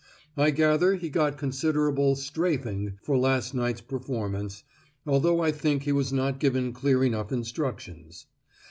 I gather he got considerable 'strafing' for last night's performance, although I think he was not given clear enough instructions.